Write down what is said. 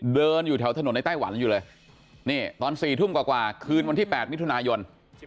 เดินอยู่แถวถนนในไต้หวันอยู่เลยนี่ตอน๔ทุ่มกว่าคืนวันที่๘มิถุนายน